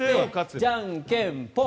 じゃんけんポン。